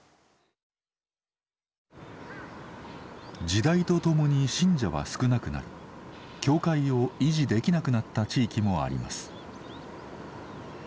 時代とともに信者は少なくなり教会を維持できなくなった地域もあります。